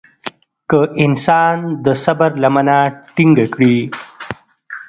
که انسان د صبر لمنه ټينګه کړي.